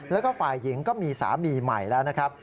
แล้วก็ฝ่ายหญิงก็มีสามีใหม่แล้วนะครับ